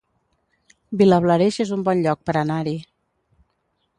Vilablareix es un bon lloc per anar-hi